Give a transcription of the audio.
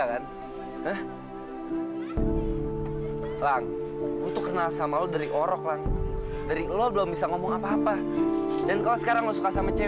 kayaknya mereka malu kalau misalnya gue ada disini